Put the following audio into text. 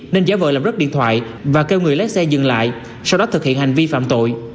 nên giả vợ làm rất điện thoại và kêu người lấy xe dừng lại sau đó thực hiện hành vi phạm tội